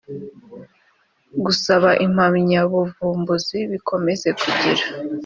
gusaba impamyabuvumbuzi bikomeze kugira